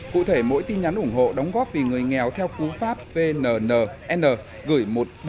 cụ thể mỗi tin nhắn ủng hộ đóng góp vì người nghèo theo cú pháp vnnn gửi một nghìn bốn trăm linh tám